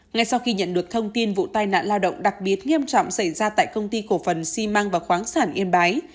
ngay sau khi nhận được thông tin vụ tai nạn lao động đặc biệt nghiêm trọng xảy ra tại công ty cổ phần xi măng và khoáng sản yên bái